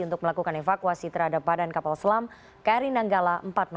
untuk melakukan evakuasi terhadap badan kapal selam kri nanggala empat ratus dua